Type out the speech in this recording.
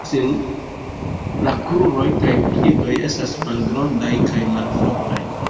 La kruroj kaj piedoj estas malgrandaj kaj malfortaj.